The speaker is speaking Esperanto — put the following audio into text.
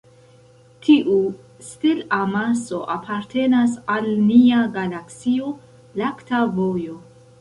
Tiu stel-amaso apartenas al nia galaksio lakta vojo.